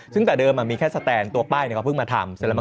ซึ่งแต่เดิมมีแค่สแตนตัวป้ายเขาเพิ่งมาทำ